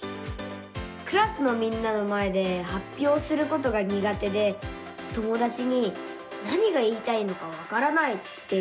クラスのみんなの前ではっぴょうすることがにが手で友だちに「何が言いたいのかわからない」って言われちゃうんです。